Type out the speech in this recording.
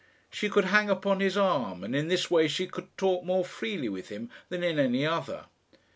She could hang upon his arm, and in this way she could talk more freely with him than in any other.